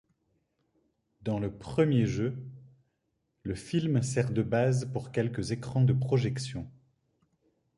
Dans le premier jeu, le film sert de base pour quelques écrans de projections.